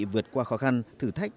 vượt qua khó khăn thử thách